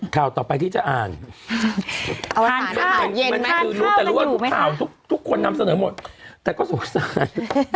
ข่าวต่อไปที่จะอ่านทานข้าวทุกคนนำเสนอหมดแต่ก็สงสาร